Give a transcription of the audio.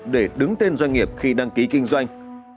để đứng tên doanh nghiệp khi đăng ký kinh doanh